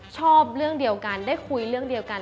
ชอบเรื่องเดียวกันได้คุยเรื่องเดียวกัน